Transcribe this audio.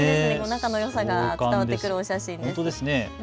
仲のよさが伝わってくるお写真ですね。